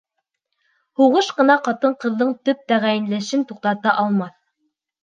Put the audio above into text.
— Һуғыш ҡына ҡатын-ҡыҙҙың төп тәғәйенләнешен туҡтата алмаҫ.